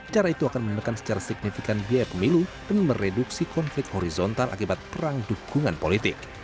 cara itu akan menekan secara signifikan biaya pemilu dan mereduksi konflik horizontal akibat perang dukungan politik